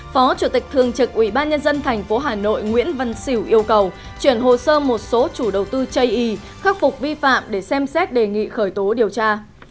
phó chủ tịch thường trực ubnd tp hà nội nguyễn văn xỉu yêu cầu chuyển hồ sơ một số chủ đầu tư chây y khắc phục vi phạm để xem xét đề nghị khởi tố điều tra